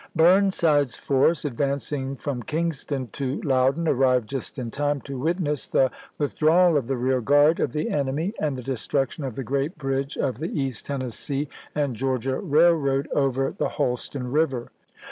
Burnside's force, advancing from Kingston to Loudon, arrived just in time to witness the with drawal of the rear guard of the enemy and the destruction of the great bridge of the East Tennes see and Georgia Railroad over the Holston River.